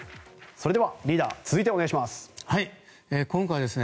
それではリーダー続いてお願いします。